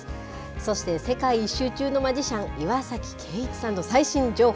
そして世界一周中のマジシャン、岩崎圭一さんの最新情報。